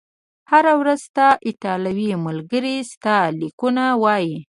هره ورځ، ستا ایټالوي ملګري ستا لیکونه وایي؟